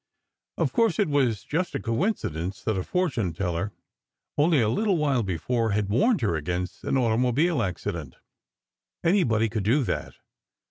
Of course, it was just a coincidence that a fortune teller, only a little while before, had warned her against an automobile accident. Anybody could do that.